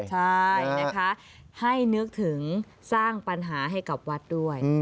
ใช่นะคะให้นึกถึงสร้างปัญหาให้กับวัดด้วย